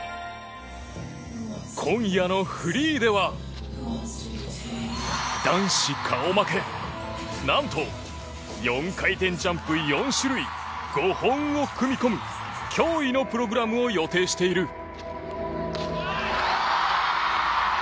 今夜のフリーでは男子顔負け、何と４回転ジャンプ４種類５本を組み込む驚異のプログラムを予定している。